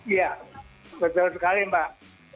iya benar sekali mbak